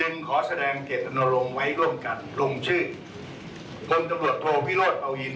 ผู้ผู้โครงตีอเยอวองและพิสูจน์เตมียาเวท